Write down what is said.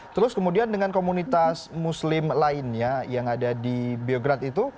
terus kemudian dengan komunitas muslim lainnya yang ada di biograd itu